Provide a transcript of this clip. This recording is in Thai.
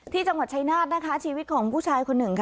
ที่จังหวัดชายนาฏนะคะชีวิตของผู้ชายคนหนึ่งค่ะ